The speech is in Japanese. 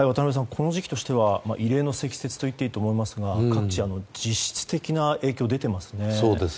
この時期としては異例の積雪と言っていいと思いますが各地、実質的な影響が出ていますね。